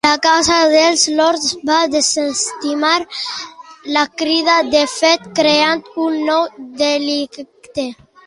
La Casa dels Lords va desestimar la crida, de fet creant un nou delicte.